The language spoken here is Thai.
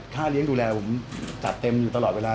เลี้ยงดูแลผมจัดเต็มอยู่ตลอดเวลา